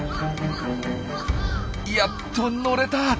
やっと乗れた！